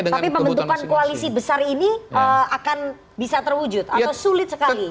tapi pembentukan koalisi besar ini akan bisa terwujud atau sulit sekali